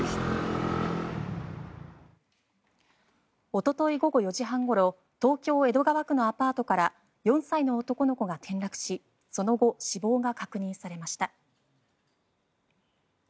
おととい午後４時半ごろ東京・江戸川区のアパートから４歳の男の子が転落しその後、死亡が確認されました。